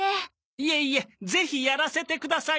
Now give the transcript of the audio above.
いえいえぜひやらせてください。